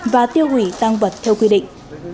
và tiêu quỷ tăng vật theo quy định